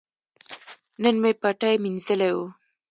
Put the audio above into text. نن مې پټی مینځلي وو.